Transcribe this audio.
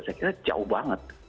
saya kira jauh banget